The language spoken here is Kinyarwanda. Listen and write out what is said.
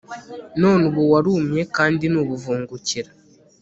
none ubu warumye kandi ni ubuvungukira